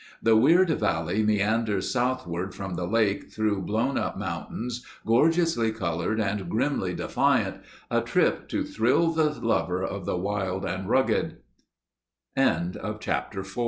The weird valley meanders southward from the lake through blown up mountains gorgeously colored and grimly defiant—a trip to thrill the lover of the wild and rugged. Chapter V But Where Was God?